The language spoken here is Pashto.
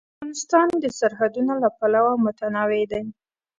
افغانستان د سرحدونه له پلوه متنوع دی.